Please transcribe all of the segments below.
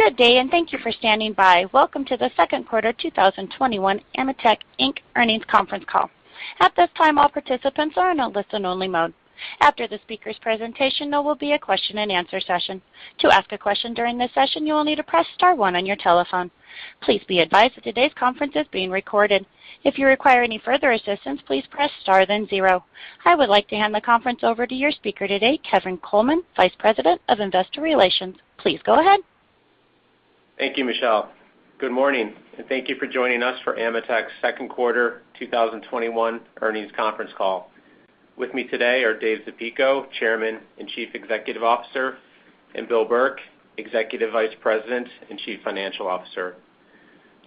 I would like to hand the conference over to your speaker today, Kevin Coleman, Vice President of Investor Relations. Please go ahead. Thank you, Michelle. Good morning, and thank you for joining us for AMETEK's Q2 2021 earnings conference call. With me today are Dave Zapico, Chairman and Chief Executive Officer, and Bill Burke, Executive Vice President and Chief Financial Officer.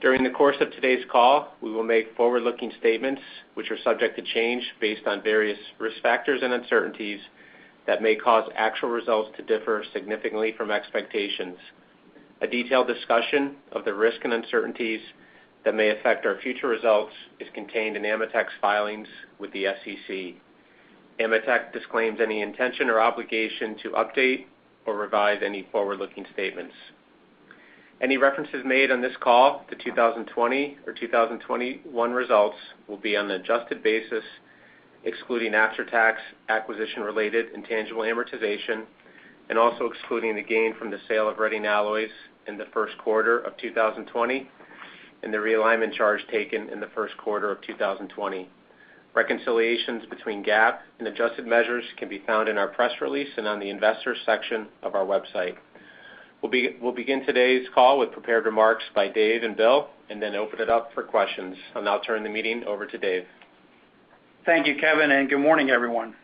During the course of today's call, we will make forward-looking statements which are subject to change based on various risk factors and uncertainties that may cause actual results to differ significantly from expectations. A detailed discussion of the risks and uncertainties that may affect our future results is contained in AMETEK's filings with the SEC. AMETEK disclaims any intention or obligation to update or revise any forward-looking statements. Any references made on this call to 2020 or 2021 results will be on an adjusted basis, excluding after-tax acquisition-related intangible amortization and also excluding the gain from the sale of Reading Alloys in the Q1 of 2020 and the realignment charge taken in the Q1 of 2020. Reconciliations between GAAP and adjusted measures can be found in our press release and on the investors section of our website. We'll begin today's call with prepared remarks by Dave and Bill and then open it up for questions. I'll now turn the meeting over to Dave. Thank you, Kevin, and good morning, everyone.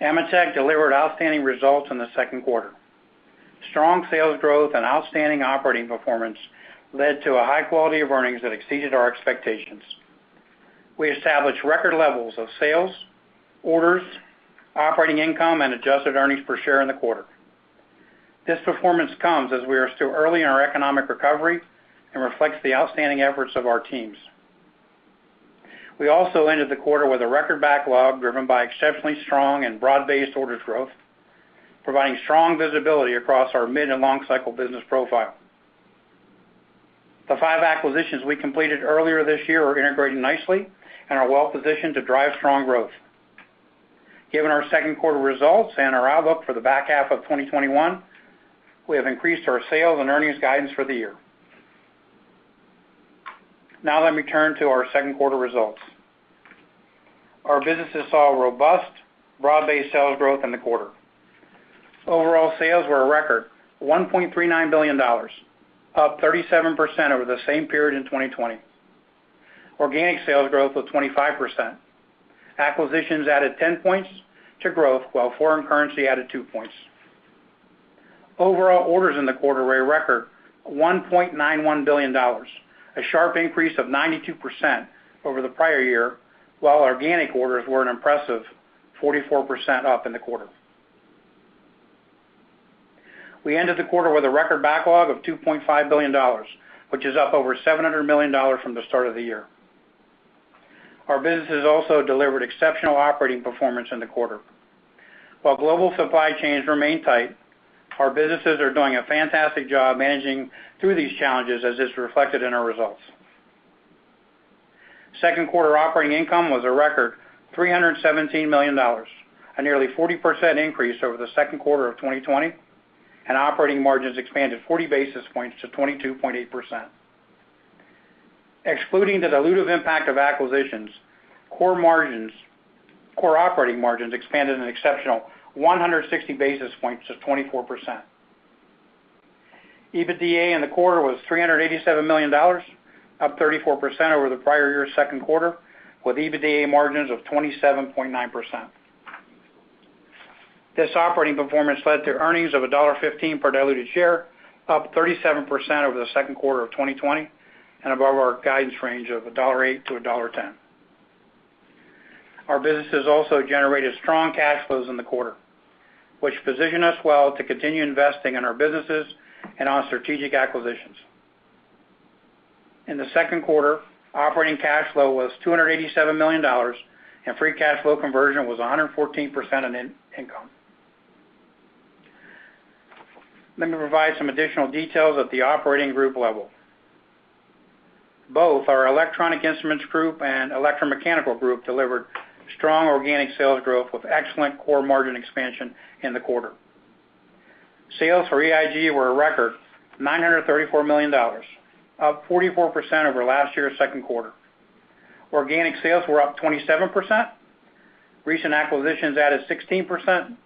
AMETEK delivered outstanding results in the Q2. Strong sales growth and outstanding operating performance led to a high quality of earnings that exceeded our expectations. We established record levels of sales, orders, operating income, and adjusted earnings per share in the quarter. This performance comes as we are still early in our economic recovery and reflects the outstanding efforts of our teams. We also ended the quarter with a record backlog driven by exceptionally strong and broad-based orders growth, providing strong visibility across our mid and long cycle business profile. The five acquisitions we completed earlier this year are integrating nicely and are well-positioned to drive strong growth. Given our Q2 results and our outlook for the back half of 2021, we have increased our sales and earnings guidance for the year. Let me turn to our Q2 results. Our businesses saw robust, broad-based sales growth in the quarter. Overall sales were a record $1.39 billion, up 37% over the same period in 2020. Organic sales growth was 25%. Acquisitions added 10 points to growth, while foreign currency added two points. Overall orders in the quarter were a record $1.91 billion, a sharp increase of 92% over the prior year, while organic orders were an impressive 44% up in the quarter. We ended the quarter with a record backlog of $2.5 billion, which is up over $700 million from the start of the year. Our businesses also delivered exceptional operating performance in the quarter. While global supply chains remain tight, our businesses are doing a fantastic job managing through these challenges as is reflected in our results. Q2 operating income was a record $317 million, a nearly 40% increase over the Q2 of 2020, and operating margins expanded 40-basis points to 22.8%. Excluding the dilutive impact of acquisitions, core operating margins expanded an exceptional 160 basis points to 24%. EBITDA in the quarter was $387 million, up 34% over the prior year's Q2, with EBITDA margins of 27.9%. This operating performance led to earnings of $1.15 per diluted share, up 37% over the Q2 of 2020, and above our guidance range of $1.08-$1.10. Our businesses also generated strong cash flows in the quarter, which position us well to continue investing in our businesses and on strategic acquisitions. In the Q2, operating cash flow was $287 million, and free cash flow conversion was 114% of net income. Let me provide some additional details at the operating group level. Both our Electronic Instruments Group and Electromechanical Group delivered strong organic sales growth with excellent core margin expansion in the quarter. Sales for EIG were a record $934 million, up 44% over last year's Q2. Organic sales were up 27%. Recent acquisitions added 16%,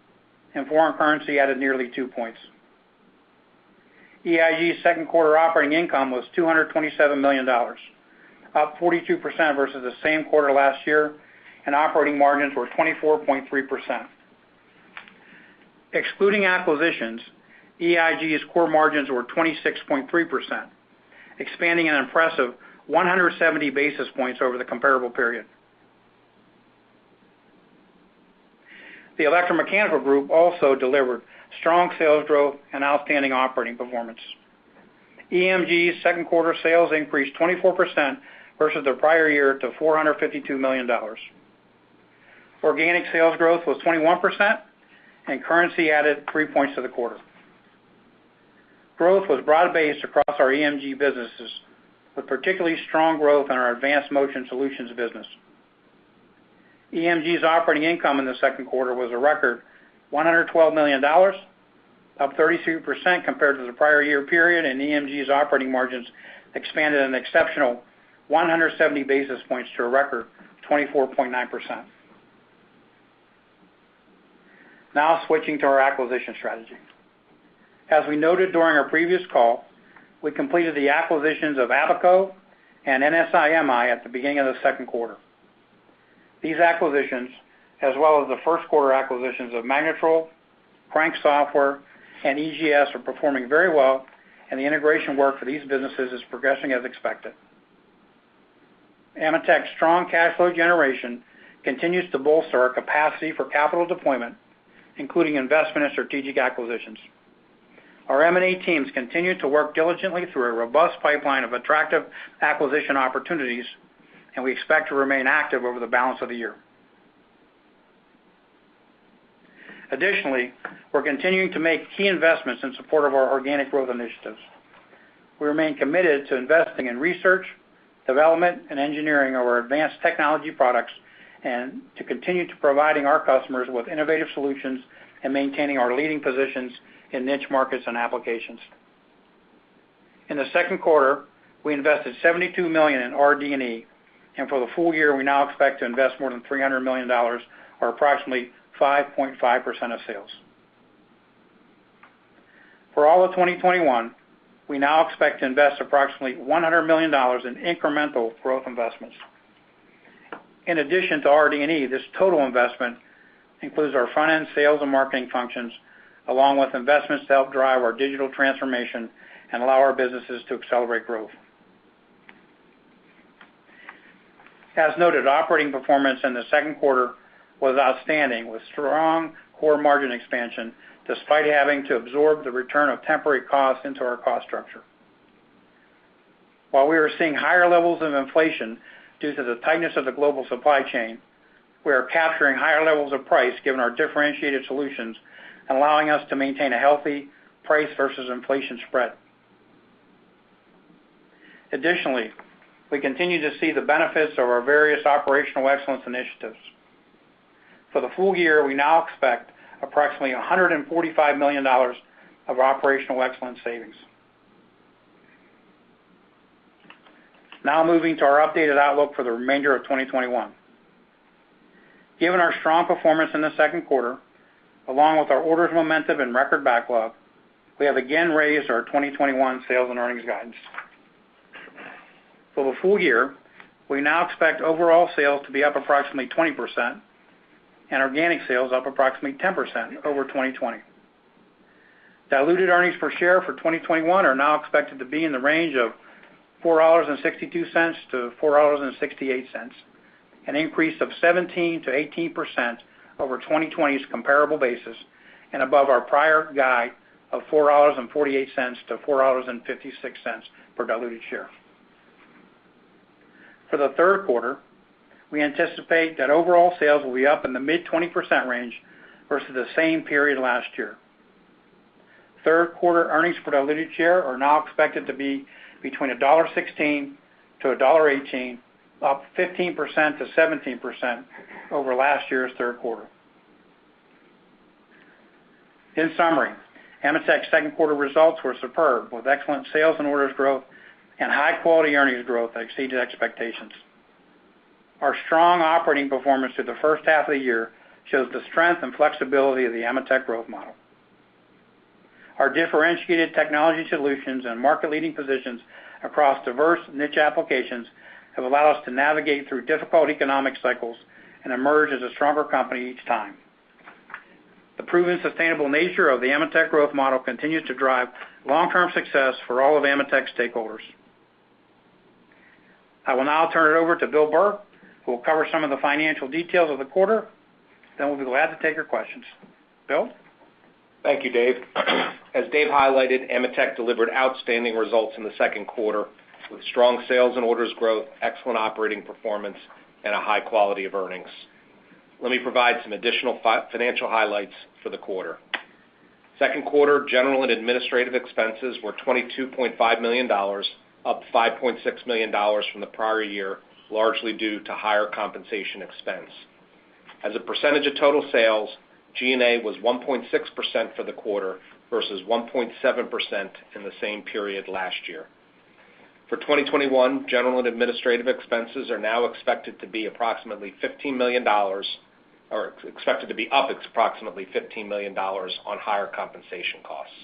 and foreign currency added nearly two points. EIG's Q2 operating income was $227 million, up 42% versus the same quarter last year, and operating margins were 24.3%. Excluding acquisitions, EIG's core margins were 26.3%, expanding an impressive 170-basis points over the comparable period. The Electromechanical Group also delivered strong sales growth and outstanding operating performance. EMG's Q2 sales increased 24% versus the prior year to $452 million. Organic sales growth was 21%, and currency added three points to the quarter. Growth was broad-based across our EMG businesses, with particularly strong growth in our Advanced Motion Solutions business. EMG's operating income in the Q2 was a record $112 million, up 33% compared to the prior year period, and EMG's operating margins expanded an exceptional 170 basis points to a record 24.9%. Now switching to our acquisition strategy. As we noted during our previous call, we completed the acquisitions of Abaco and NSI-MI at the beginning of the Q2. These acquisitions, as well as the Q1 acquisitions of Magnetrol, Crank Software, and EGS, are performing very well, and the integration work for these businesses is progressing as expected. AMETEK's strong cash flow generation continues to bolster our capacity for capital deployment, including investment in strategic acquisitions. Our M&A teams continue to work diligently through a robust pipeline of attractive acquisition opportunities, and we expect to remain active over the balance of the year. Additionally, we're continuing to make key investments in support of our organic growth initiatives. We remain committed to investing in research, development, and engineering of our advanced technology products, and to continue to providing our customers with innovative solutions and maintaining our leading positions in niche markets and applications. In the Q2, we invested $72 million in RD&E, and for the full year, we now expect to invest more than $300 million, or approximately 5.5% of sales. For all of 2021, we now expect to invest approximately $100 million in incremental growth investments. In addition to RD&E, this total investment includes our finance, sales, and marketing functions, along with investments to help drive our digital transformation and allow our businesses to accelerate growth. As noted, operating performance in the Q2 was outstanding, with strong core margin expansion, despite having to absorb the return of temporary costs into our cost structure. While we are seeing higher levels of inflation due to the tightness of the global supply chain, we are capturing higher levels of price given our differentiated solutions and allowing us to maintain a healthy price versus inflation spread. Additionally, we continue to see the benefits of our various operational excellence initiatives. For the full year, we now expect approximately $145 million of operational excellence savings. Moving to our updated outlook for the remainder of 2021. Given our strong performance in the Q2, along with our orders momentum and record backlog, we have again raised our 2021 sales and earnings guidance. For the full year, we now expect overall sales to be up approximately 20% and organic sales up approximately 10% over 2020. Diluted earnings per share for 2021 are now expected to be in the range of $4.62-$4.68, an increase of 17%-18% over 2020's comparable basis and above our prior guide of $4.48-$4.56 per diluted share. For the Q3, we anticipate that overall sales will be up in the mid-20% range versus the same period last year. Q3 earnings per diluted share are now expected to be between $1.16-$1.18, up 15%-17% over last year's Q3. In summary, AMETEK's Q2 results were superb, with excellent sales and orders growth and high-quality earnings growth that exceeded expectations. Our strong operating performance through the H1 of the year shows the strength and flexibility of the AMETEK growth model. Our differentiated technology solutions and market-leading positions across diverse niche applications have allowed us to navigate through difficult economic cycles and emerge as a stronger company each time. The proven sustainable nature of the AMETEK growth model continues to drive long-term success for all of AMETEK's stakeholders. I will now turn it over to Bill Burke, who will cover some of the financial details of the quarter. We'll be glad to take your questions. Bill? Thank you, Dave. As Dave highlighted, AMETEK delivered outstanding results in the Q2, with strong sales and orders growth, excellent operating performance, and a high quality of earnings. Let me provide some additional financial highlights for the quarter. Q2 general and administrative expenses were $22.5 million, up $5.6 million from the prior year, largely due to higher compensation expense. As a percentage of total sales, G&A was 1.6% for the quarter versus 1.7% in the same period last year. For 2021, general and administrative expenses are now expected to be approximately $15 million, or expected to be up approximately $15 million on higher compensation costs.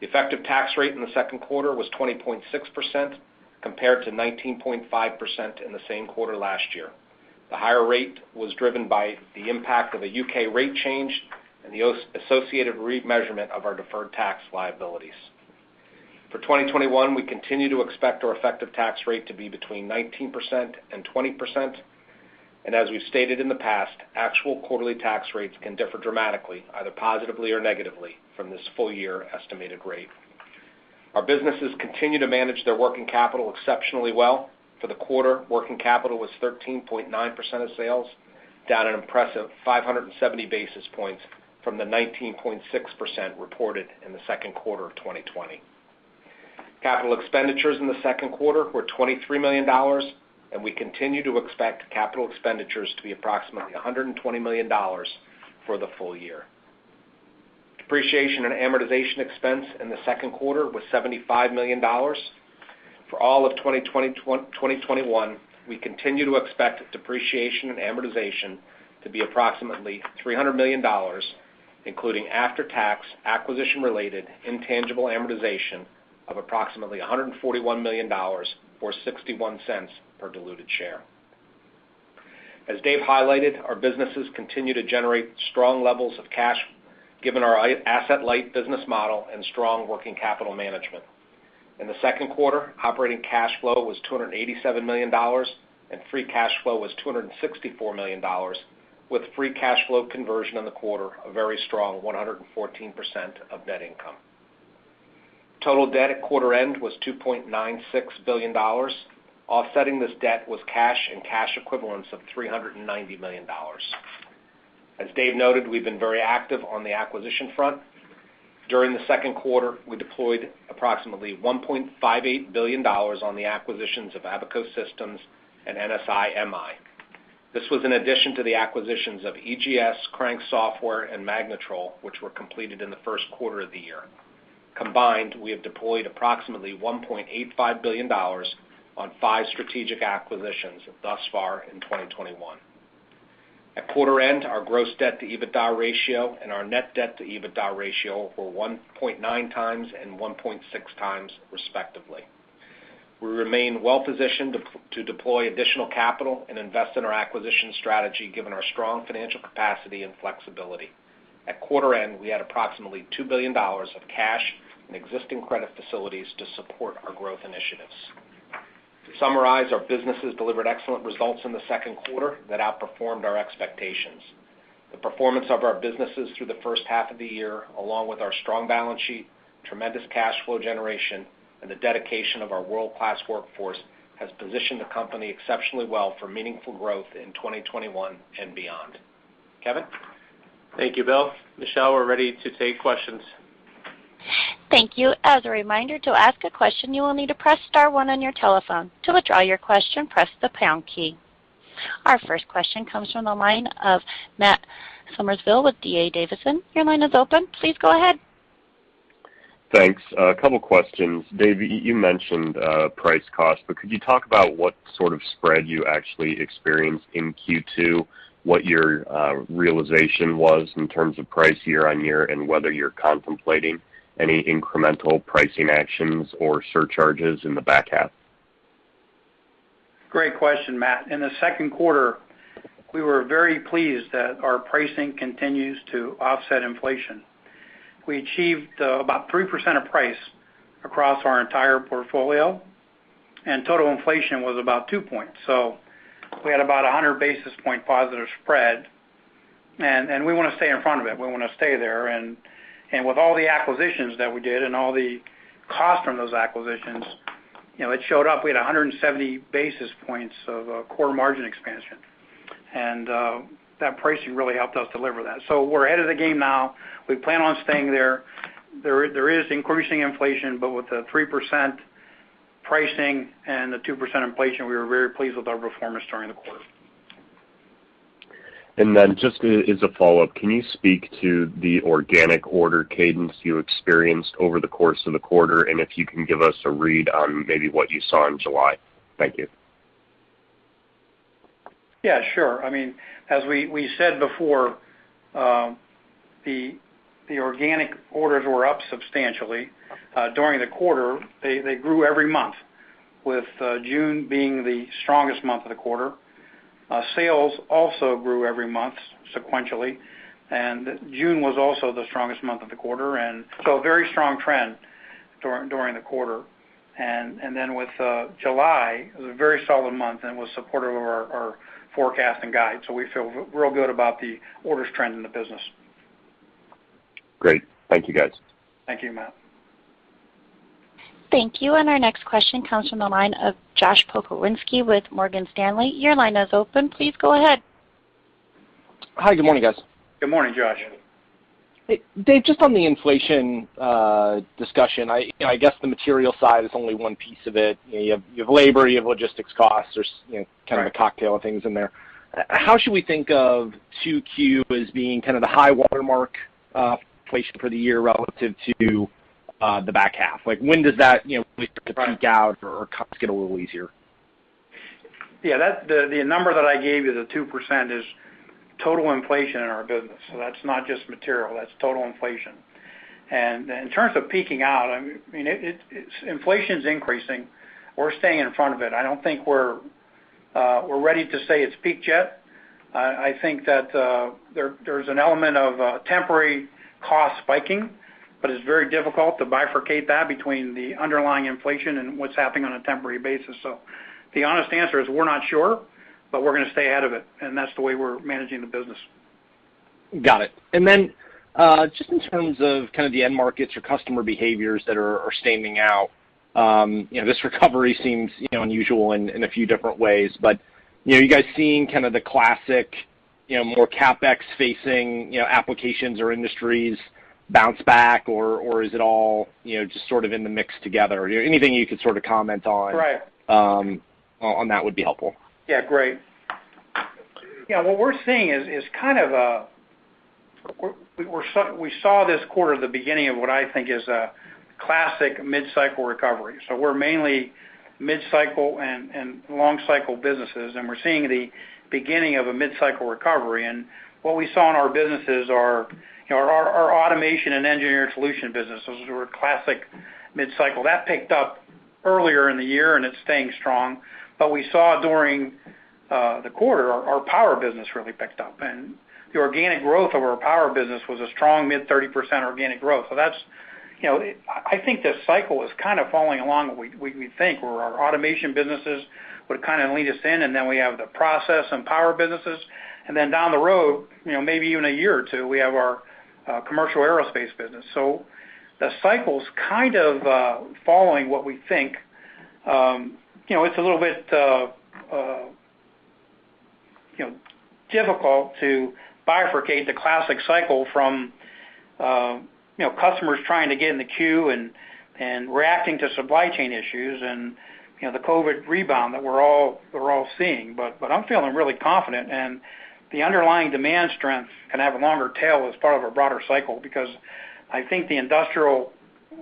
The effective tax rate in the Q2 was 20.6%, compared to 19.5% in the same quarter last year. The higher rate was driven by the impact of a U.K. rate change and the associated remeasurement of our deferred tax liabilities. For 2021, we continue to expect our effective tax rate to be between 19% and 20%, and as we've stated in the past, actual quarterly tax rates can differ dramatically, either positively or negatively, from this full year estimated rate. Our businesses continue to manage their working capital exceptionally well. For the quarter, working capital was 13.9% of sales, down an impressive 570 basis points from the 19.6% reported in the Q2 of 2020. Capital expenditures in the Q2 were $23 million, and we continue to expect capital expenditures to be approximately $120 million for the full year. Depreciation and amortization expense in the Q2 was $75 million. For all of 2021, we continue to expect depreciation and amortization to be approximately $300 million, including after-tax acquisition-related intangible amortization of approximately $141 million, or $0.61 per diluted share. As Dave highlighted, our businesses continue to generate strong levels of cash given our asset-light business model and strong working capital management. In the Q2, operating cash flow was $287 million, and free cash flow was $264 million, with free cash flow conversion in the quarter a very strong 114% of net income. Total debt at quarter end was $2.96 billion. Offsetting this debt was cash and cash equivalents of $390 million. As Dave noted, we've been very active on the acquisition front. During the Q2, we deployed approximately $1.58 billion on the acquisitions of Abaco Systems and NSI-MI. This was in addition to the acquisitions of EGS, Crank Software, and Magnetrol, which were completed in the Q1 of the year. Combined, we have deployed approximately $1.85 billion on five strategic acquisitions thus far in 2021. At quarter end, our gross debt to EBITDA ratio and our net debt to EBITDA ratio were 1.9x and 1.6x respectively. We remain well positioned to deploy additional capital and invest in our acquisition strategy given our strong financial capacity and flexibility. At quarter end, we had approximately $2 billion of cash and existing credit facilities to support our growth initiatives. To summarize, our businesses delivered excellent results in the Q2 that outperformed our expectations. The performance of our businesses through the H1 of the year, along with our strong balance sheet, tremendous cash flow generation, and the dedication of our world-class workforce has positioned the company exceptionally well for meaningful growth in 2021 and beyond. Kevin? Thank you, Bill. Michelle, we're ready to take questions. Thank you. As a reminder, to ask a question, you will need to press star one on your telephone. To withdraw your question, press the pound key. Our first question comes from the line of Matt Summerville with D.A. Davidson. Your line is open. Please go ahead. Thanks. A couple questions. Dave, you mentioned price cost, but could you talk about what sort of spread you actually experienced in Q2, what your realization was in terms of price year-on-year, and whether you're contemplating any incremental pricing actions or surcharges in the back half? Great question, Matt. In the Q2, we were very pleased that our pricing continues to offset inflation. We achieved about 3% of price across our entire portfolio, total inflation was about 2 points. We had about a 100 basis point positive spread, and we want to stay in front of it. We want to stay there. With all the acquisitions that we did and all the cost from those acquisitions, you know, it showed up. We had 170 basis points of quarter margin expansion. That pricing really helped us deliver that. We're ahead of the game now. We plan on staying there. There is increasing inflation, but with the 3% pricing and the 2% inflation, we were very pleased with our performance during the quarter. Just as a follow-up, can you speak to the organic order cadence you experienced over the course of the quarter? If you can give us a read on maybe what you saw in July. Thank you. Yeah, sure. I mean, as we said before, the organic orders were up substantially during the quarter. They grew every month, with June being the strongest month of the quarter. Sales also grew every month sequentially, and June was also the strongest month of the quarter, a very strong trend during the quarter. With July, it was a very solid month, and it was supportive of our forecast and guide. We feel real good about the orders trend in the business. Great. Thank you, guys. Thank you, Matt. Thank you. Our next question comes from the line of Josh Pokrzywinski with Morgan Stanley. Your line is open. Please go ahead. Hi. Good morning, guys. Good morning, Josh. Hey, Dave, just on the inflation discussion, I, you know, I guess the material side is only one piece of it. You know, you have labor, you have logistics costs. There's kind of a cocktail of things in there. How should we think of Q2 as being kind of the high watermark, inflation for the year relative to the back half, like when does that really start to peak out or costs get a little easier? Yeah, that, the number that I gave you, the 2%, is total inflation in our business. That's not just material. That's total inflation. And in terms of peaking out, I mean, it's, inflation's increasing. We're staying in front of it. I don't think we're ready to say it's peaked yet. I think that there's an element of temporary cost spiking, but it's very difficult to bifurcate that between the underlying inflation and what's happening on a temporary basis. The honest answer is we're not sure, but we're going to stay ahead of it, and that's the way we're managing the business. Got it. Then, just in terms of kind of the end markets or customer behaviors that are standing out, you know, this recovery seems, you know, unusual in a few different ways. You know, are you guys seeing kind of the classic, you know, more CapEx facing, you know, applications or industries bounce back? Or is it all, you know, just sort of in the mix together? Anything you could sort of comment on that would be helpful? Yeah. Great. Yeah, we saw this quarter the beginning of what I think is a classic mid-cycle recovery. We're mainly mid-cycle and long cycle businesses. We're seeing the beginning of a mid-cycle recovery. What we saw in our businesses are, you know, our automation and engineering solution businesses were classic mid-cycle. That picked up earlier in the year. It's staying strong. We saw during the quarter our power business really picked up. The organic growth of our power business was a strong mid-30% organic growth. That's, you know, I think this cycle is kind of falling along what we think, where our automation businesses would kind of lead us in. We have the process and power businesses. Down the road, maybe even a year or two, we have our commercial aerospace business. The cycle's kind of following what we think. It's a little bit difficult to bifurcate the classic cycle from customers trying to get in the queue and reacting to supply chain issues and the COVID rebound that we're all seeing. I'm feeling really confident. The underlying demand strength can have a longer tail as part of a broader cycle because I think the industrial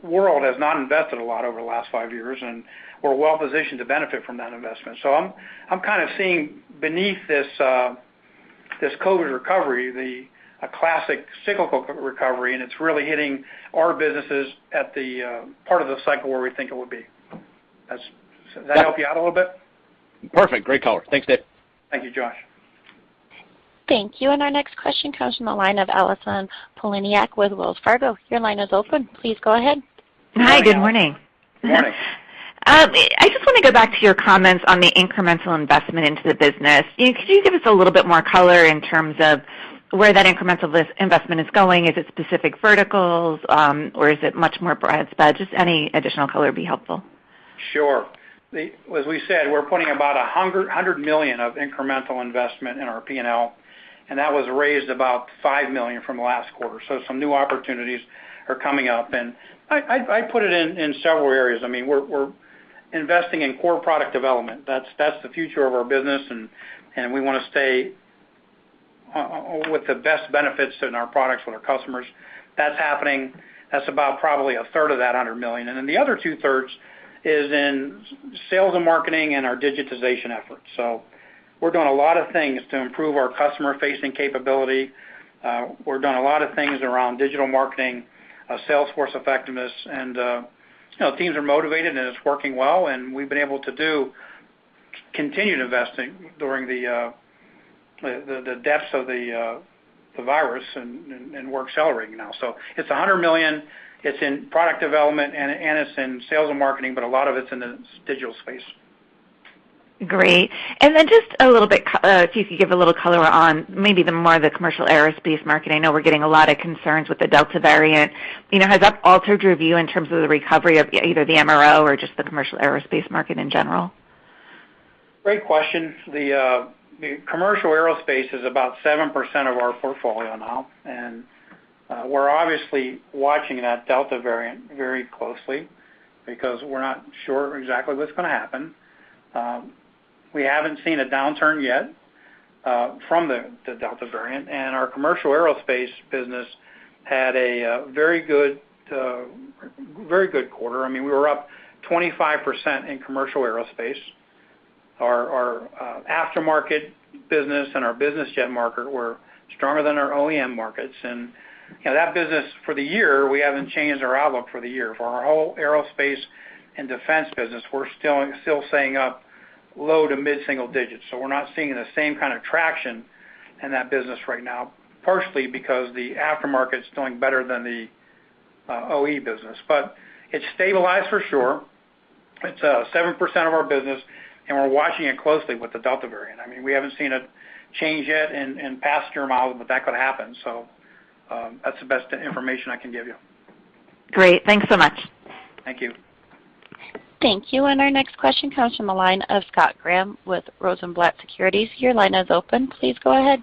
world has not invested a lot over the last five years, and we're well positioned to benefit from that investment. I'm kind of seeing beneath this COVID recovery, a classic cyclical recovery. It's really hitting our businesses at the part of the cycle where we think it would be. Does that help you out a little bit? Perfect. Great color. Thanks, Dave. Thank you, Josh. Thank you. Our next question comes from the line of Allison Poliniak-Cusic with Wells Fargo. Your line is open. Please go ahead. Good morning, Allison. Hi. Good morning. Good morning. I just want to go back to your comments on the incremental investment into the business. Can you give us a little bit more color in terms of where that incremental this investment is going? Is it specific verticals, or is it much more broad spread? Just any additional color would be helpful. Sure. As we said, we're putting about $100 million of incremental investment in our P&L. That was raised about $5 million from last quarter. Some new opportunities are coming up. I put it in several areas. I mean, we're investing in core product development. That's the future of our business, and we wanna stay with the best benefits in our products with our customers. That's happening. That's about probably a third of that $100 million. The other two thirds is in sales and marketing and our digitization efforts. We're doing a lot of things to improve our customer facing capability. We're doing a lot of things around digital marketing, sales force effectiveness. You know, teams are motivated, and it's working well, and we've been able to do continued investing during the depths of the virus and we're accelerating now. It's $100 million. It's in product development and it's in sales and marketing, but a lot of it's in the digital space. Great. Just a little bit, if you could give a little color on maybe the more the commercial aerospace market. I know we're getting a lot of concerns with the Delta variant. You know, has that altered your view in terms of the recovery of either the MRO or just the commercial aerospace market in general? Great question. The commercial aerospace is about 7% of our portfolio now. We're obviously watching that Delta variant very closely because we're not sure exactly what's gonna happen. We haven't seen a downturn yet from the Delta variant, and our commercial aerospace business had a very good quarter. I mean, we were up 25% in commercial aerospace. Our aftermarket business and our business jet market were stronger than our OEM markets. You know, that business for the year, we haven't changed our outlook for the year. For our whole aerospace and defense business, we're still saying up low to mid-single digits. We're not seeing the same kind of traction in that business right now, partially because the aftermarket's doing better than the OE business. It's stabilized for sure. It's 7% of our business, and we're watching it closely with the Delta variant. I mean, we haven't seen a change yet in passenger miles, but that could happen. That's the best information I can give you. Great. Thanks so much. Thank you. Thank you. Our next question comes from the line of Scott Graham with Rosenblatt Securities. Your line is open. Please go ahead.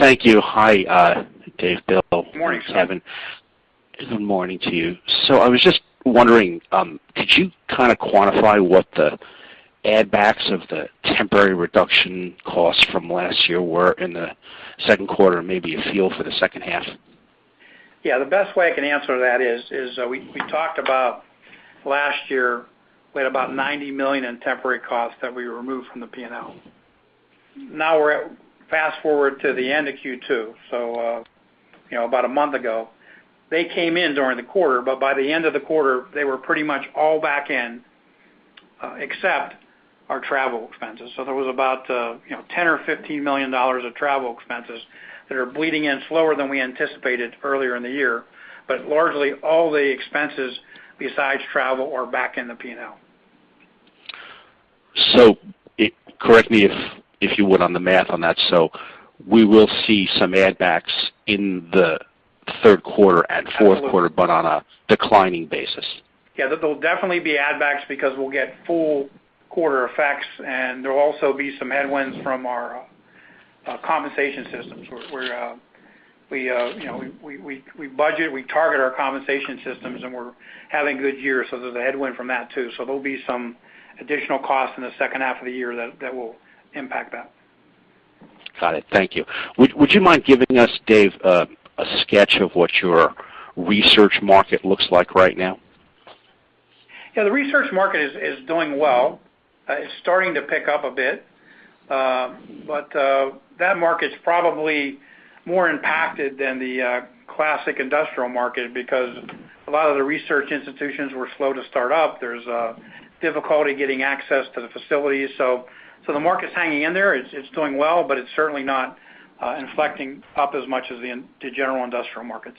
Thank you. Hi, Dave, Bill. Morning, Scott. Good morning to you. I was just wondering, could you kind of quantify what the add backs of the temporary reduction costs from last year were in the Q2 and maybe a feel for the H2? Yeah. The best way I can answer that is, we talked about last year we had about $90 million in temporary costs that we removed from the P&L. Now, we're at fast-forward to the end of Q2. You know, about a month ago, they came in during the quarter, but by the end of the quarter, they were pretty much all back in, except our travel expenses. There was about, you know, $10 million or $15 million of travel expenses that are bleeding in slower than we anticipated earlier in the year. Largely, all the expenses besides travel are back in the P&L. Correct me if you would on the math on that. We will see some add backs in the Q3 and Q4, but on a declining basis. Yeah. There'll definitely be add backs because we'll get full quarter effects, and there'll also be some headwinds from our compensation systems, where we, you know, we budget, we target our compensation systems, and we're having a good year, there's a headwind from that too. There'll be some additional costs in the H2 of the year that will impact that. Got it. Thank you. Would you mind giving us, Dave, a sketch of what your research market looks like right now? Yeah, the research market is doing well. It's starting to pick up a bit. That market's probably more impacted than the classic industrial market because a lot of the research institutions were slow to start up. There's a difficulty getting access to the facilities. The market's hanging in there. It's doing well, but it's certainly not inflecting up as much as the general industrial markets.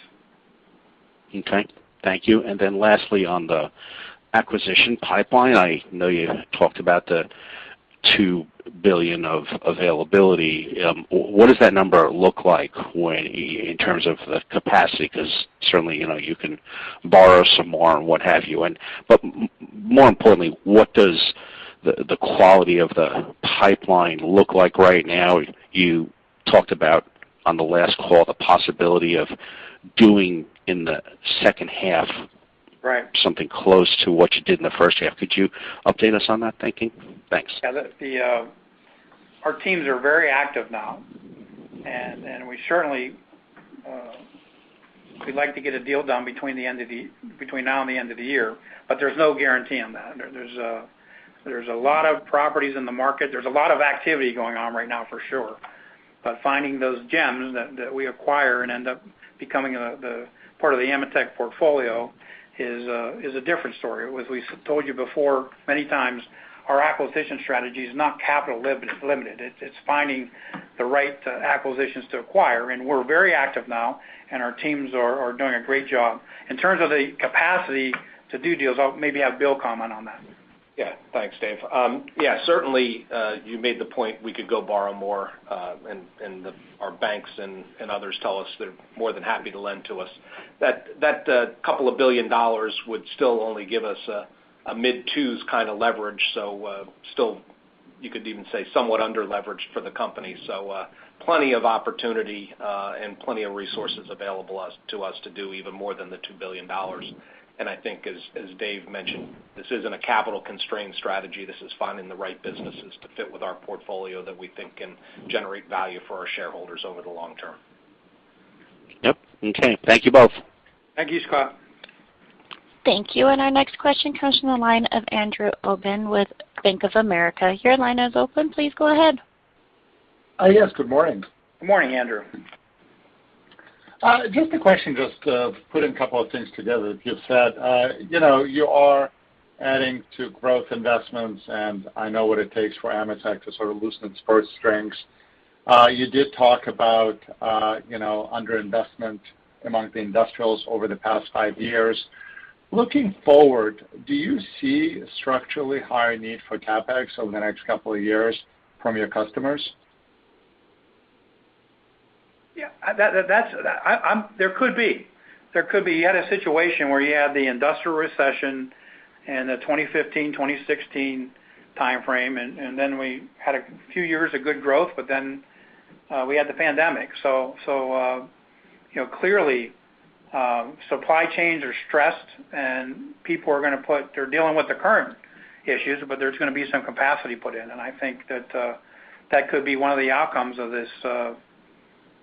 Okay. Thank you. Then lastly, on the acquisition pipeline, I know you talked about the $2 billion of availability. What does that number look like in terms of the capacity? Because certainly, you know, you can borrow some more and what have you. But more importantly, what does the quality of the pipeline look like right now? You talked about on the last call the possibility of doing in the H2 something close to what you did in the H1. Could you update us on that thinking? Thanks. Yeah. Our teams are very active now. We certainly, we'd like to get a deal done between now and the end of the year, but there's no guarantee on that. There's a lot of properties in the market. There's a lot of activity going on right now for sure. Finding those gems that we acquire and end up becoming the part of the AMETEK portfolio is a different story. As we told you before many times, our acquisition strategy is not capital limited. It's finding the right acquisitions to acquire. We're very active now, and our teams are doing a great job. In terms of the capacity to do deals, I'll maybe have Bill comment on that. Thanks, Dave. Certainly, you made the point we could go borrow more, our banks and others tell us they're more than happy to lend to us. That couple of billion dollars would still only give us a mid-twos kind of leverage. Still you could even say somewhat underleveraged for the company. Plenty of opportunity and plenty of resources available to us to do even more than the $2 billion. I think as Dave mentioned, this isn't a capital constrained strategy. This is finding the right businesses to fit with our portfolio that we think can generate value for our shareholders over the long term. Yep. Okay. Thank you both. Thank you, Scott. Thank you. Our next question comes from the line of Andrew Obin with Bank of America. Your line is open. Please go ahead. yes. Good morning. Good morning, Andrew. Just a question, just putting a couple of things together. You've said, you know, you are adding to growth investments, and I know what it takes for AMETEK to sort of loosen its purse strings. You did talk about, you know, underinvestment among the industrials over the past 5 years. Looking forward, do you see structurally higher need for CapEx over the next couple of years from your customers? Yeah. That's. There could be. There could be. You had a situation where you had the industrial recession in the 2015, 2016 timeframe. Then we had a few years of good growth. We had the pandemic. You know, clearly, supply chains are stressed. They're dealing with the current issues. There's gonna be some capacity put in. I think that could be one of the outcomes of this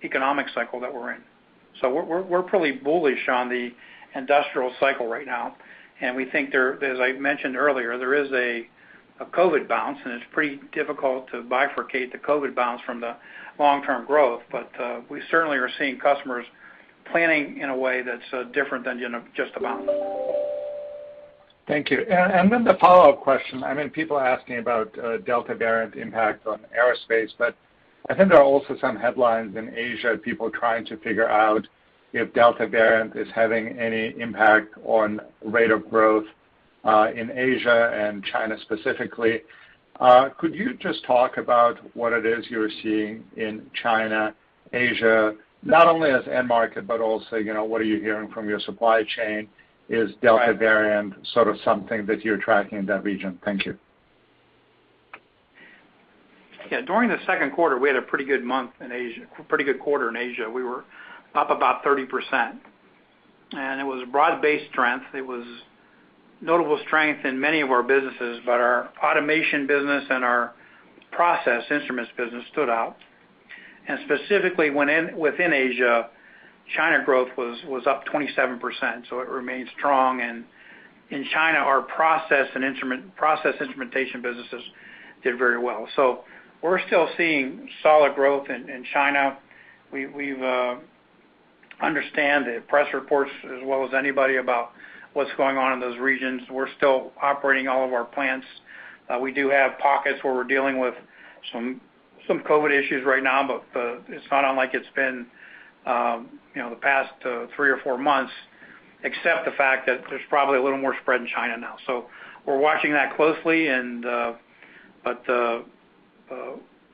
economic cycle that we're in. We're probably bullish on the industrial cycle right now. We think there, as I mentioned earlier, there is a COVID bounce. It's pretty difficult to bifurcate the COVID bounce from the long-term growth. We certainly are seeing customers planning in a way that's different than, you know, just a bounce. Thank you. The follow-up question, I mean, people are asking about Delta variant impact on aerospace, I think there are also some headlines in Asia, people trying to figure out if Delta variant is having any impact on rate of growth in Asia and China specifically. Could you just talk about what it is you're seeing in China, Asia, not only as end market, but also, you know, what are you hearing from your supply chain? Is Delta variant sort of something that you're tracking in that region? Thank you. Yeah. During the Q2, we had a pretty good quarter in Asia. We were up about 30%. It was broad-based strength. It was notable strength in many of our businesses, but our automation business and our process instruments business stood out. Specifically, within Asia, China growth was up 27%, so it remains strong. In China, our process instrumentation businesses did very well. We're still seeing solid growth in China. We understand the press reports as well as anybody about what's going on in those regions. We're still operating all of our plants. We do have pockets where we're dealing with some COVID issues right now, but it's not unlike it's been, you know, the past three or four months. Except the fact that there's probably a little more spread in China now. We're watching that closely and, but,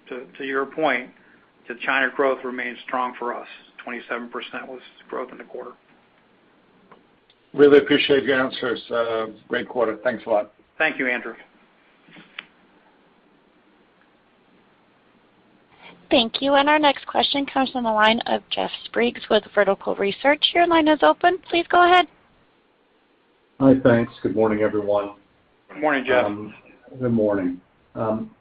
to your point, the China growth remains strong for us. 27% was the growth in the quarter. Really appreciate your answers. Great quarter. Thanks a lot. Thank you, Andrew. Thank you. Our next question comes from the line of Jeff Sprague with Vertical Research. Your line is open. Please go ahead. Hi. Thanks. Good morning, everyone. Good morning, Jeff. Good morning.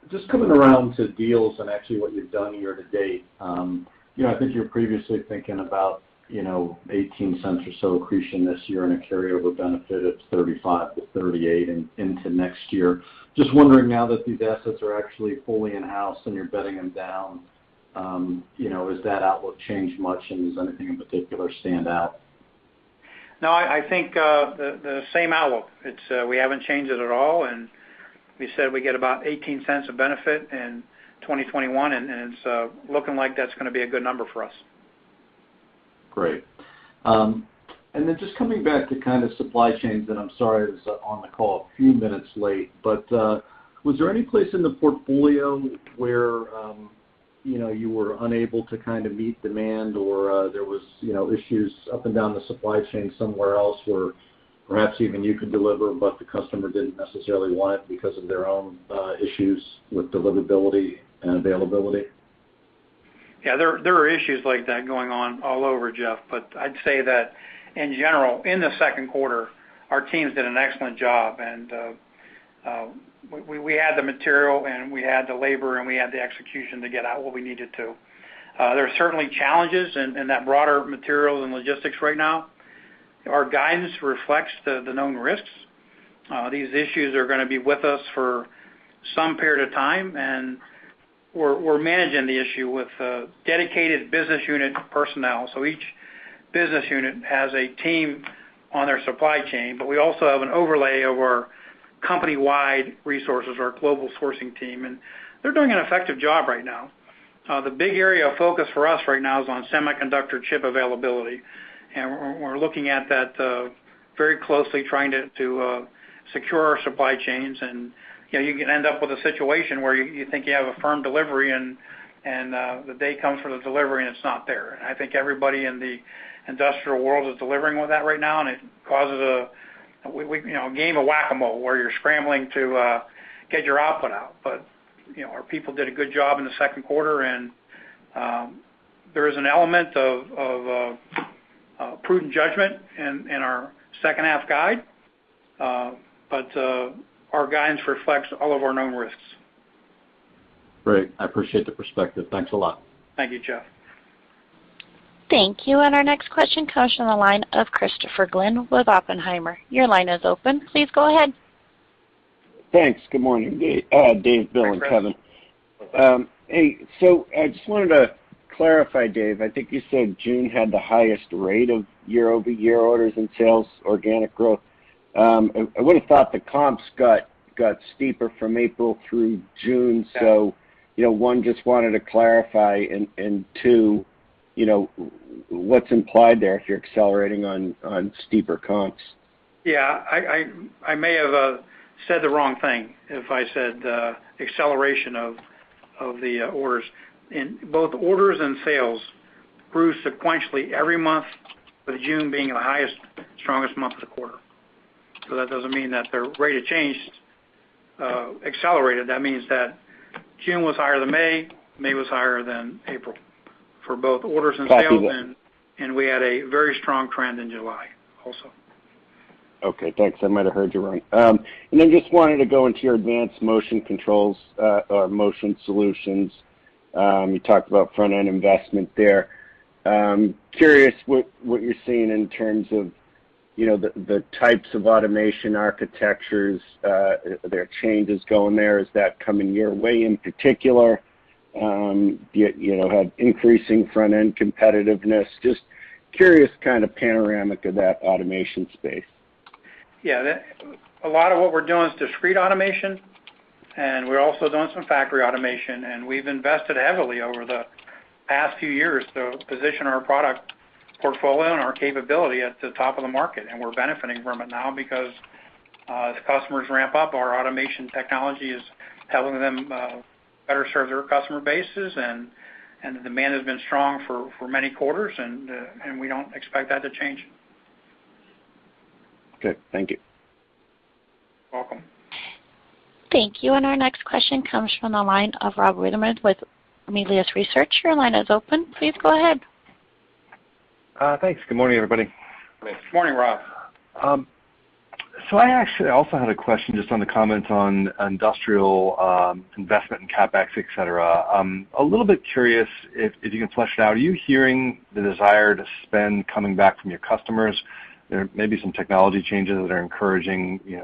Just coming around to deals and actually what you've done year-to-date, you know, I think you were previously thinking about, you know, $0.18 or so accretion this year and a carryover benefit of $0.35-$0.38 into next year. Just wondering now that these assets are actually fully in-house and you're bedding them down, you know, has that outlook changed much, and does anything in particular stand out? No, I think the same outlook. It's, we haven't changed it at all, and we said we get about $0.18 of benefit in 2021, and it's looking like that's gonna be a good number for us. Great. Just coming back to kind of supply chains, and I'm sorry I was on the call a few minutes late, but was there any place in the portfolio where, you know, you were unable to kind of meet demand or there was, you know, issues up and down the supply chain somewhere else where perhaps even you could deliver but the customer didn't necessarily want it because of their own issues with deliverability and availability? There are issues like that going on all over, Jeff, but I'd say that in general, in the Q2, our teams did an excellent job. We had the material and we had the labor and we had the execution to get out what we needed to. There are certainly challenges in that broader material and logistics right now. Our guidance reflects the known risks. These issues are gonna be with us for some period of time, and we're managing the issue with dedicated business unit personnel. Each business unit has a team on their supply chain, but we also have an overlay of our company-wide resources, our global sourcing team, and they're doing an effective job right now. The big area of focus for us right now is on semiconductor chip availability, we're looking at that very closely trying to secure our supply chains. You know, you can end up with a situation where you think you have a firm delivery and the day comes for the delivery and it's not there. I think everybody in the industrial world is delivering with that right now, and it causes a, we you know, a game of Whac-A-Mole, where you're scrambling to get your output out. You know, our people did a good job in the Q2 and there is an element of prudent judgment in our H2 guide. Our guidance reflects all of our known risks. Great. I appreciate the perspective. Thanks a lot. Thank you, Jeff. Thank you. Our next question comes from the line of Christopher Glynn with Oppenheimer. Your line is open. Please go ahead. Thanks. Good morning, Dave, Bill, and Kevin. Hi, Chris. Hey, I just wanted to clarify, Dave, I think you said June had the highest rate of year-over-year orders and sales organic growth. I would've thought the comps got steeper from April through June. One, just wanted to clarify, and two, what's implied there if you're accelerating on steeper comps? Yeah, I may have said the wrong thing if I said acceleration of the orders. In both orders and sales grew sequentially every month, with June being the highest, strongest month of the quarter. That doesn't mean that their rate of change accelerated. That means that June was higher than May was higher than April for both orders and sales. Got you. Yeah. We had a very strong trend in July also. Okay. Thanks. I might have heard you wrong. Just wanted to go into your advanced motion controls, or Advanced Motion Solutions. You talked about front-end investment there. Curious what you're seeing in terms of, you know, the types of automation architectures. Are there changes going there? Is that coming your way in particular? Do you know, have increasing front-end competitiveness? Just curious kind of panoramic of that automation space. Yeah, a lot of what we're doing is discrete automation, and we're also doing some factory automation, and we've invested heavily over the past few years to position our product portfolio and our capability at the top of the market. We're benefiting from it now because as customers ramp up, our automation technology is helping them better serve their customer bases and the demand has been strong for many quarters, and we don't expect that to change. Okay. Thank you. Welcome. Thank you. Our next question comes from the line of Rob Wertheimer with Melius Research. Your line is open. Please go ahead. Thanks. Good morning, everybody. Good morning, Rob. I actually also had a question just on the comments on industrial investment and CapEx, et cetera. I'm a little bit curious if you can flesh it out. Are you hearing the desire to spend coming back from your customers? There may be some technology changes that are encouraging, you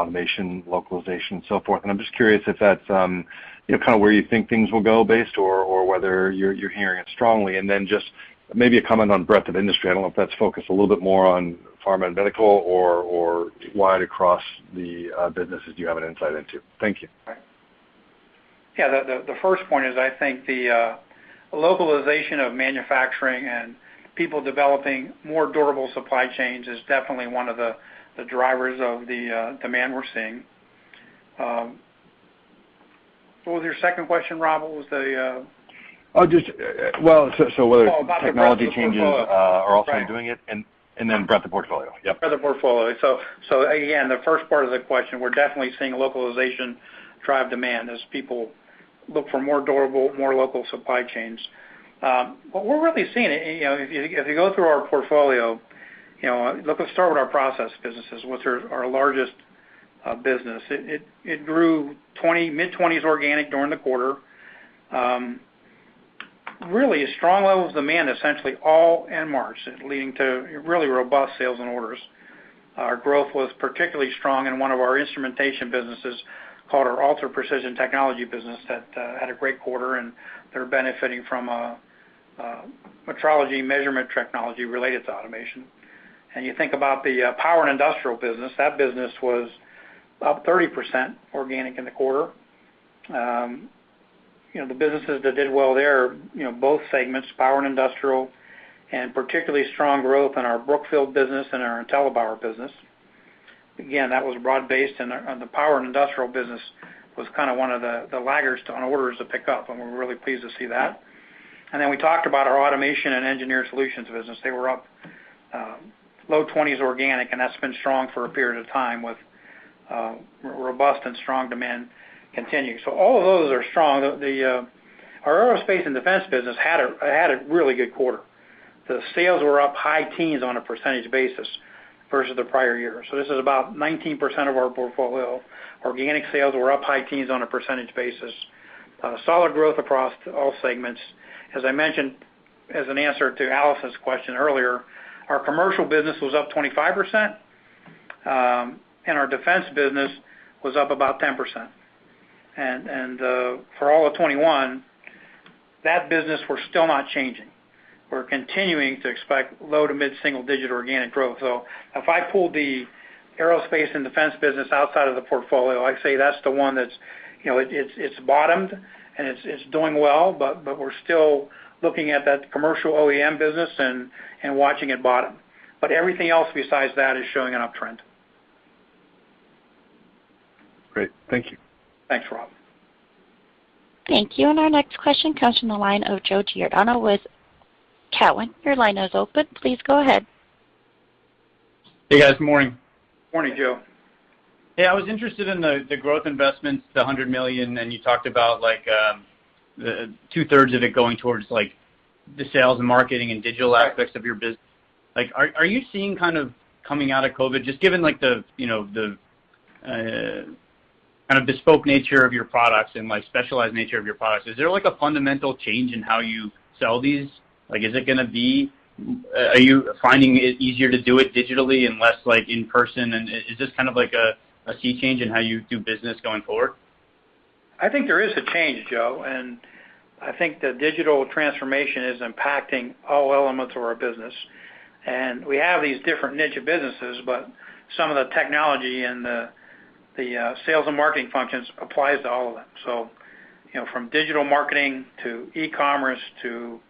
know, automation, localization, and so forth, and I'm just curious if that's, you know, kind of where you think things will go based or whether you're hearing it strongly. Just maybe a comment on breadth of industry. I don't know if that's focused a little bit more on pharma and medical or wide across the businesses you have an insight into. Thank you. Yeah, the first point is I think the localization of manufacturing and people developing more durable supply chains is definitely one of the drivers of the demand we're seeing. What was your second question, Rob? Oh, just, Well, so. Oh, about the breadth of the portfolio. Technology changes, are also doing it, and then breadth of portfolio. Yep. Breadth of portfolio. Again, the first part of the question, we're definitely seeing localization drive demand as people look for more durable, more local supply chains. We're really seeing it, you know, if you, if you go through our portfolio, you know, let's start with our process businesses, what's our largest business. It grew 20, mid-20s organic during the quarter. Really a strong level of demand, essentially all end markets leading to really robust sales and orders. Our growth was particularly strong in one of our instrumentation businesses called our Ultra Precision Technologies business that had a great quarter, and they're benefiting from metrology measurement technology related to automation. You think about the power and industrial business, that business was up 30% organic in the quarter. You know, the businesses that did well there, you know, both segments, power and industrial, and particularly strong growth in our Brookfield business and our IntelliPower business. Again, that was broad-based, and the power and industrial business was kind of one of the laggers to, on orders to pick up, and we're really pleased to see that. We talked about our automation and engineering solutions business. They were up low 20s% organic, and that's been strong for a period of time with robust and strong demand continuing. All of those are strong. Our aerospace and defense business had a really good quarter. The sales were up high teens on percentage basis versus the prior year. This is about 19% of our portfolio. Organic sales were up high teens on percentage basis. Solid growth across all segments. As I mentioned, as an answer to Allison's question earlier, our commercial business was up 25%, and our defense business was up about 10%. For all of 2021, that business, we're still not changing. We're continuing to expect low to mid-single digit organic growth. If I pull the aerospace and defense business outside of the portfolio, I'd say that's the one that's, you know, it's bottomed, and it's doing well, but we're still looking at that commercial OEM business and watching it bottom. Everything else besides that is showing an uptrend. Great. Thank you. Thanks, Rob. Thank you. Our next question comes from the line of Joe Giordano with Cowen. Your line is open. Please go ahead. Hey, guys. Morning. Morning, Joe. Hey, I was interested in the growth investments, the $100 million, and you talked about, like, the two-thirds of it going towards, like, the sales and marketing and digital aspects of your business. Like, are you seeing kind of coming out of COVID, just given, like, the, you know, the kind of bespoke nature of your products and, like, specialized nature of your products, is there, like, a fundamental change in how you sell these? Like, is it going to be, are you finding it easier to it digitally and less, like, in person, and is this kind of like a sea change in how you do business going forward? I think there is a change, Joe, and I think the digital transformation is impacting all elements of our business. We have these different niche of businesses, but some of the technology and the sales and marketing functions applies to all of them. You know, from digital marketing to e-commerce to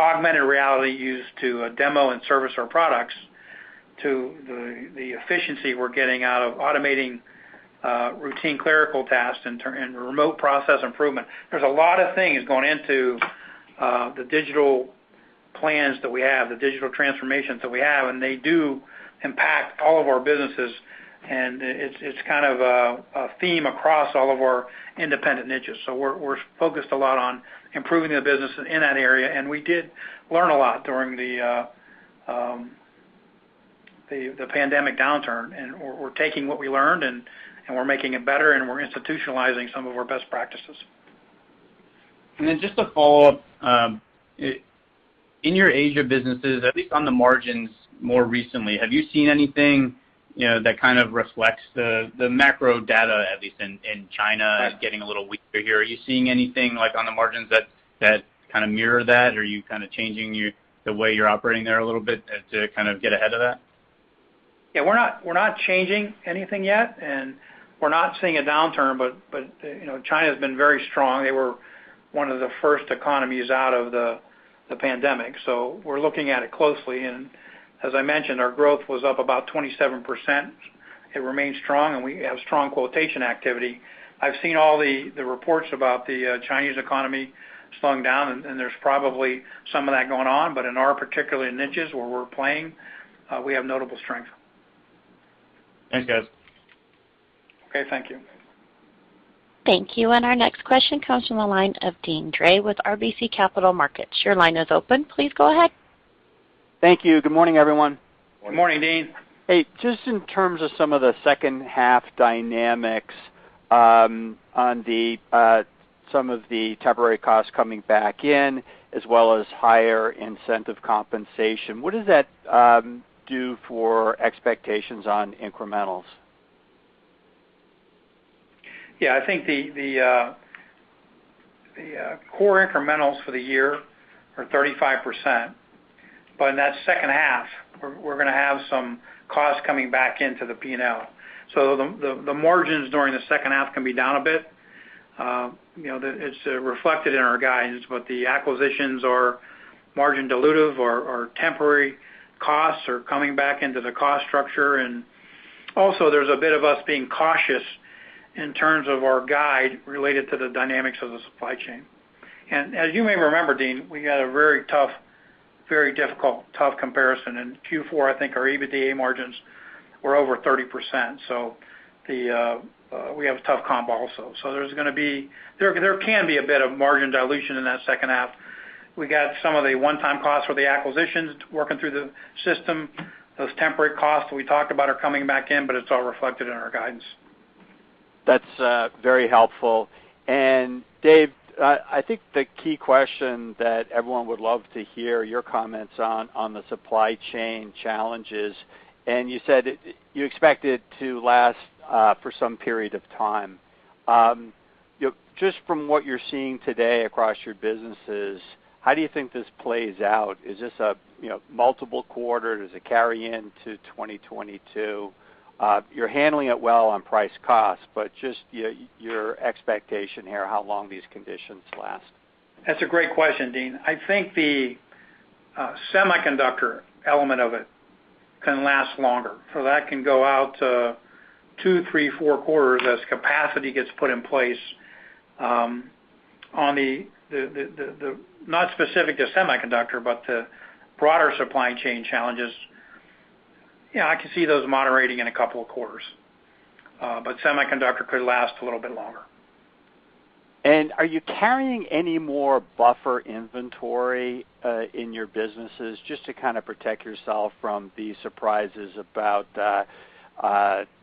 augmented reality used to demo and service our products to the efficiency we're getting out of automating routine clerical tasks and remote process improvement. There's a lot of things going into the digital plans that we have, the digital transformations that we have, and they do impact all of our businesses, and it's kind of a theme across all of our independent niches. We're focused a lot on improving the business in that area, and we did learn a lot during the pandemic downturn. We're taking what we learned, and we're making it better, and we're institutionalizing some of our best practices. Just a follow-up, in your Asia businesses, at least on the margins more recently, have you seen anything, you know, that kind of reflects the macro data, at least in China? Right Getting a little weaker here? Are you seeing anything, like, on the margins that kind of mirror that? Are you kind of changing your, the way you're operating there a little bit to kind of get ahead of that? We're not changing anything yet, and we're not seeing a downturn, but, you know, China's been very strong. They were one of the first economies out of the pandemic, so we're looking at it closely. As I mentioned, our growth was up about 27%. It remains strong, and we have strong quotation activity. I've seen all the reports about the Chinese economy slowing down, and there's probably some of that going on. In our particular niches where we're playing, we have notable strength. Thanks, guys. Okay. Thank you. Thank you. Our next question comes from the line of Deane Dray with RBC Capital Markets. Your line is open. Please go ahead. Thank you. Good morning, everyone. Good morning, Deane Dray. Hey, just in terms of some of the H2 dynamics, on the, some of the temporary costs coming back in as well as higher incentive compensation, what does that do for expectations on incrementals? Yeah. I think the core incremental for the year are 35%. In that H2, we're going to have some costs coming back into the P&L. The margins during the H2 can be down a bit. You know, it's reflected in our guidance, but the acquisitions are margin dilutive or temporary costs are coming back into the cost structure. Also there's a bit of us being cautious in terms of our guide related to the dynamics of the supply chain. As you may remember, Deane, we had a very tough, very difficult, tough comparison. In Q4, I think our EBITDA margins were over 30%, so we have a tough comp also. There can be a bit of margin dilution in that H2. We got some of the one-time costs for the acquisitions working through the system. Those temporary costs that we talked about are coming back in, but it's all reflected in our guidance. That's very helpful. Dave, I think the key question that everyone would love to hear your comments on the supply chain challenges, and you said it, you expect it to last for some period of time. You know, just from what you're seeing today across your businesses, how do you think this plays out? Is this a, you know, multiple quarter, does it carry into 2022? You're handling it well on price cost, just, yeah, your expectation here, how long these conditions last. That's a great question, Deane. I think the semiconductor element of it can last longer. That can go out to two, three, four quarters as capacity gets put in place, on the not specific to semiconductor, but the broader supply chain challenges. I can see those moderating in two quarters. Semiconductor could last a little bit longer. Are you carrying any more buffer inventory in your businesses just to kind of protect yourself from the surprises about,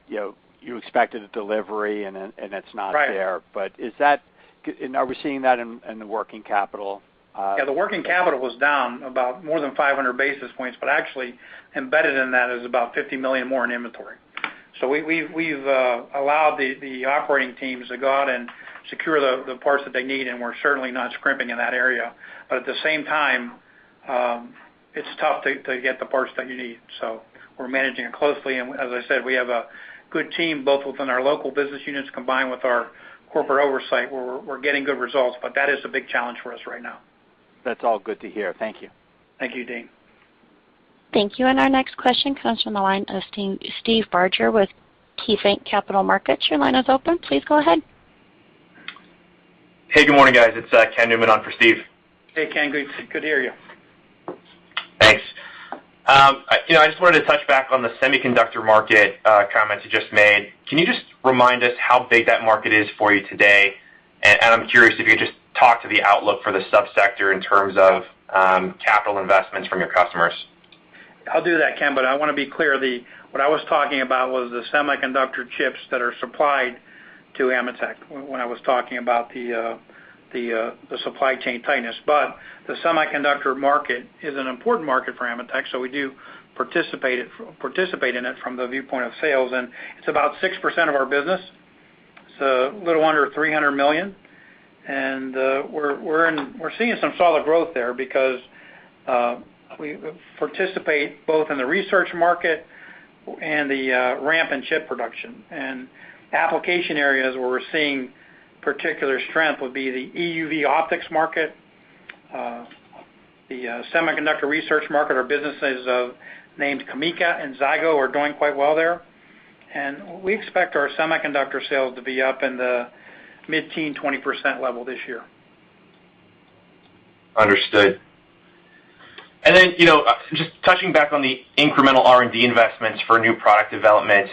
you know, you expected a delivery and it, and it's not there? Right. Are we seeing that in the working capital? Yeah, the working capital was down about more than 500 basis points. Actually, embedded in that is about $50 million more in inventory. We've allowed the operating teams to go out and secure the parts that they need, and we're certainly not scrimping in that area. At the same time, it's tough to get the parts that you need. We're managing it closely. As I said, we have a good team, both within our local business units combined with our corporate oversight, where we're getting good results, but that is a big challenge for us right now. That's all good to hear. Thank you. Thank you, Deane. Thank you. Our next question comes from the line of Steve Barger with KeyBanc Capital Markets. Your line is open. Please go ahead. Hey, good morning, guys. It's Ken Newman on for Steve. Hey, Ken. Good to hear you. Thanks. You know, I just wanted to touch back on the semiconductor market comments you just made. Can you just remind us how big that market is for you today? I'm curious if you could just talk to the outlook for the sub-sector in terms of capital investments from your customers. I'll do that, Ken, but I want to be clear, what I was talking about was the semiconductor chips that are supplied to AMETEK when I was talking about the supply chain tightness. The semiconductor market is an important market for AMETEK, so we do participate in it from the viewpoint of sales. It's about 6% of our business. It's a little under $300 million. We're seeing some solid growth there because we participate both in the research market and the ramp and chip production. Application areas where we're seeing particular strength would be the EUV optics market, the semiconductor research market. Our businesses of CAMECA and Zygo are doing quite well there. We expect our semiconductor sales to be up in the mid-teen-20% level this year. Understood. You know, just touching back on the incremental R&D investments for new product development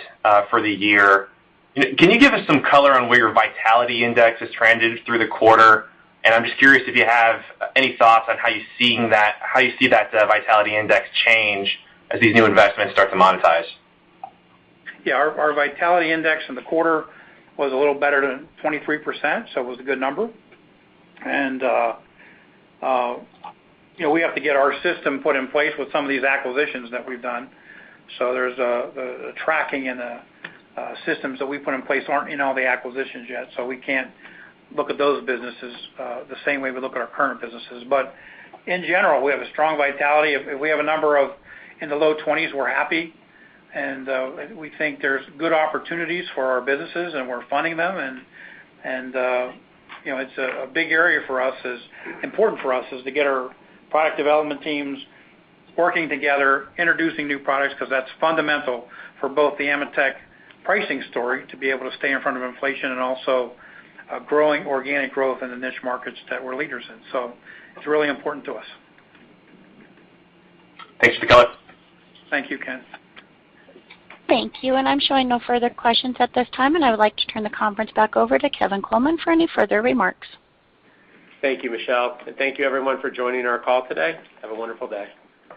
for the year. Can you give us some color on where your vitality index has trended through the quarter? I'm just curious if you have any thoughts on how you see that vitality index change as these new investments start to monetize. Our vitality index in the quarter was a little better than 23%, so it was a good number. You know, we have to get our system put in place with some of these acquisitions that we've done. There's the tracking and the systems that we put in place aren't in all the acquisitions yet, so we can't look at those businesses the same way we look at our current businesses. In general, we have a strong vitality. If we have a number of in the low 20s, we're happy, and we think there's good opportunities for our businesses, and we're funding them. you know, important for us is to get our product development teams working together, introducing new products, because that's fundamental for both the AMETEK pricing story to be able to stay in front of inflation and also a growing organic growth in the niche markets that we're leaders in. It's really important to us. Thanks for the color. Thank you, Ken. Thank you. I'm showing no further questions at this time. I would like to turn the conference back over to Kevin Coleman for any further remarks. Thank you, Michelle. Thank you everyone for joining our call today. Have a wonderful day.